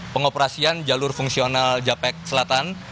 pengoperasian jalur fungsional japek selatan